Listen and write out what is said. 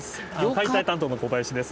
解体担当の小林です。